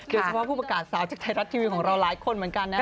ผู้ประกาศสาวจากไทยรัฐทีวีของเราหลายคนเหมือนกันนะครับ